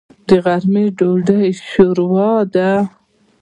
د غرمې ډوډۍ شوروا ده.